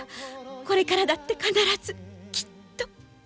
これからだって必ずきっと。